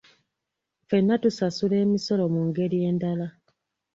Ffenna tusasula emisolo mu ngeri endala.